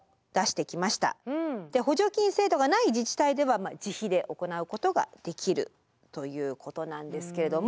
補助金制度がない自治体では自費で行うことができるということなんですけれども。